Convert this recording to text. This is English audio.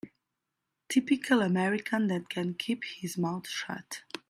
Typical American that can keep his mouth shut.